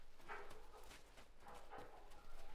Traťový úsek slouží jen přepravě osob.